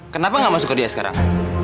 kenapa nggak masuk ke dia sekarang